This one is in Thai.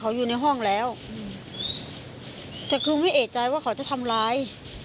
เขาอยู่ในห้องแล้วอืมแต่คือไม่เอกใจว่าเขาจะทำร้าย